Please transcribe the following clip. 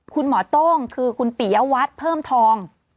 คุณหมอโต้งคือคุณปริยวัตรเพิ่มทอง